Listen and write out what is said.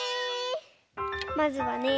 まずはね。